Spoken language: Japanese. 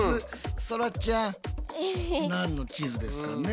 そらちゃん何の地図ですかね？